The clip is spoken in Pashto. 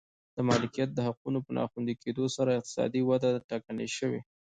د مالکیت حقونو په ناخوندي کېدو سره اقتصادي وده ټکنۍ شوه.